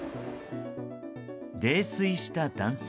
泥酔した男性。